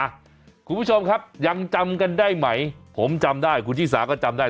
คุณผู้ชมครับยังจำกันได้ไหมผมจำได้คุณชิสาก็จำได้